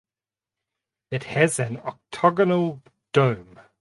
It has an octagonal dome.